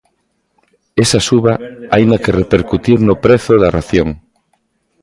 Esa suba haina que repercutir no prezo da ración.